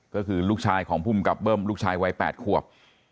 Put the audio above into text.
ก็คือลูกชายของภูมิกับเบิ้มลูกชายวัย๘ขวบ